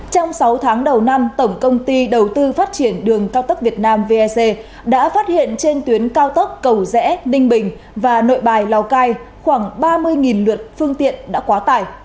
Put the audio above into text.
trong sáu tháng đầu năm tổng công ty đầu tư phát triển đường cao tốc việt nam vec đã phát hiện trên tuyến cao tốc cầu rẽ ninh bình và nội bài lào cai khoảng ba mươi lượt phương tiện đã quá tải